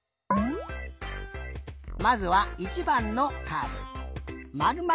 まずは１ばんのカード。